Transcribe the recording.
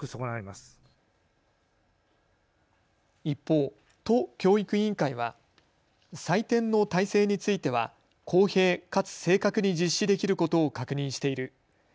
一方、都教育委員会は採点の体制については公平かつ正確に実施できることを確認している。